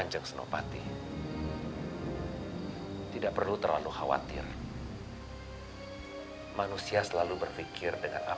iya seperti suara beduk tapi suara besar sekali